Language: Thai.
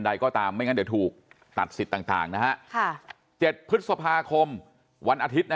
ใดก็ตามไม่ได้ถูกตัดสิทธิ์ต่างนะฮะ๗๑๒วันอาทิตย์นะ